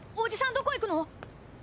どこ行くの？